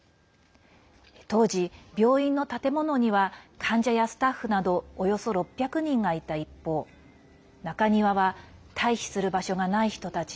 当時、病院の建物には患者やスタッフなどおよそ６００人がいた一方中庭は退避する場所がない人たち